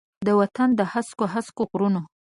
د وطن د هسکو، هسکو غرونو،